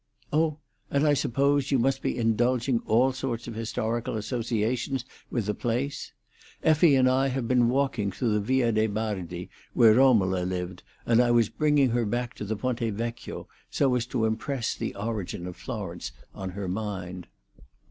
"Oh! And I supposed you must be indulging all sorts of historical associations with the place. Effie and I have been walking through the Via de' Bardi, where Romola lived, and I was bringing her back over the Ponte Vecchio, so as to impress the origin of Florence on her mind."